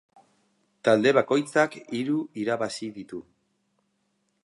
Talde bakoitzak hiru irabazi ditu.